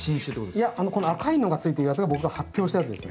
いやこの赤いのがついてるやつが僕が発表したやつですね。